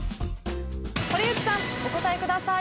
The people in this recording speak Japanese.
堀内さんお答えください。